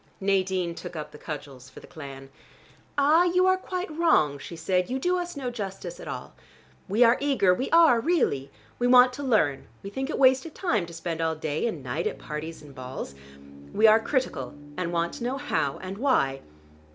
Nadine took up the cudgels for the clan. "Ah, you are quite wrong," she said. "You do us no justice at all. We are eager, we are, really: we want to learn, we think it waste of time to spend all day and night at parties and balls. We are critical, and want to know how and why.